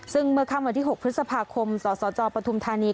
ซึ่งเมื่อค่ำวันที่๖พฤษภาคมสสจปฐุมธานี